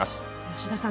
吉田さん